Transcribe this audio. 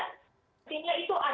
tetapi dituduhkan kepadanya